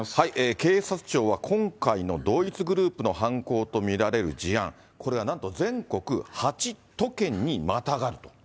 警察庁は、今回の同一グループの犯行と見られる事案、これがなんと全国８都県にまたがると。